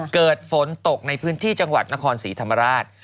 เกิดฝนตกในพื้นที่จังหวัดนครศรีธรรมราช